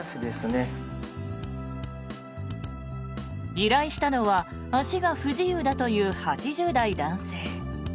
依頼したのは足が不自由だという８０代男性。